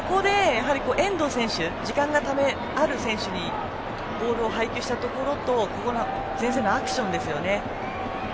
遠藤選手、時間のある選手にボールを配球したところと前線のアクションですね。